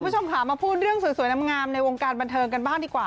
คุณผู้ชมค่ะมาพูดเรื่องสวยงามในวงการบันเทิงกันบ้างดีกว่า